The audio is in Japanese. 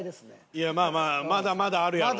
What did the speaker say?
いやまあまあまだまだあるやろうな。